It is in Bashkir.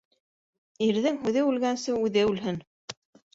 Ирҙең һүҙе үлгәнсе, үҙе үлһен.